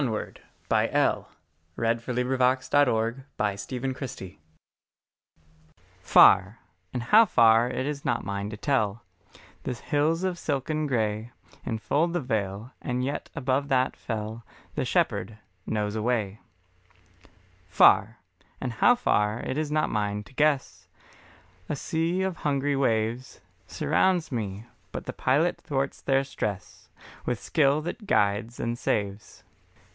For Thee, Attentive I will labour and abide. LII ONWARD FAR, and how far it is not mine to tell, The hills of silken grey Enfold the vale, and yet above that fell The Shepherd knows a way. Far, and how far it is not mine to guess, A sea of hungry waves Surrounds me, but the Pilot thwarts their stress With skill that guides and saves.